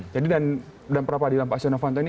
jadi dan pra peradilan pak asyoun afanto ini